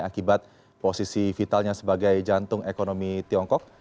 akibat posisi vitalnya sebagai jantung ekonomi tiongkok